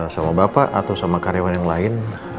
sama bapak atau sama karyawan yang lain